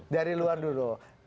dari luar dulu